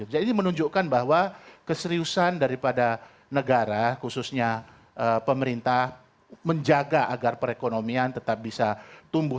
jadi menunjukkan bahwa keseriusan daripada negara khususnya pemerintah menjaga agar perekonomian tetap bisa tumbuh